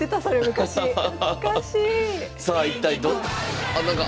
さあ一体ど。